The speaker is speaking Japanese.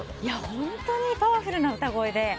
本当にパワフルな歌声で。